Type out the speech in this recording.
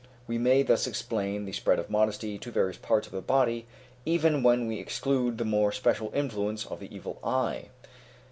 We may thus explain the spread of modesty to various parts of the body, even when we exclude the more special influence of the evil eye.